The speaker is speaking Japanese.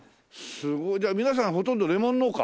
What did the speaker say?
じゃあ皆さんほとんどレモン農家？